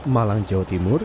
malang jawa timur